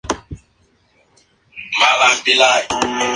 Era la tía de Catalina Isaac.